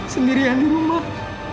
sendirian di rumah